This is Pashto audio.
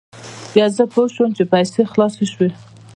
بیا زه پوه شوم چې پیسې خلاصې شوې.